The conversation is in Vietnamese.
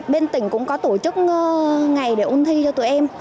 bên tỉnh cũng có tổ chức ngày để ôn thi cho tụi em